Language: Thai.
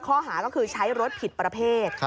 ข้อหาก็คือใช้รถผิดประเภท